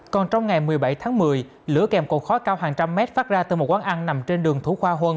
còn trong ngày một mươi bảy tháng một mươi lửa kèm cột khói cao hàng trăm mét phát ra từ một quán ăn nằm trên đường thủ khoa huân